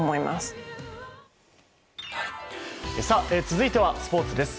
続いてはスポーツです。